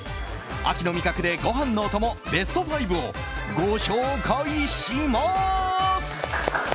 秋の味覚でご飯のお供ベスト５をご紹介します！